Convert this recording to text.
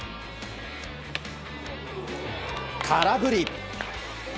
空振り。